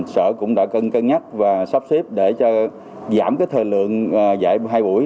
sở cũng đã cân nhắc và sắp xếp để giảm thời lượng dạy hai buổi